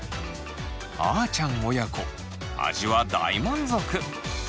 あーちゃん親子味は大満足！